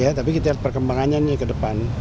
iya tapi kita lihat perkembangannya ke depan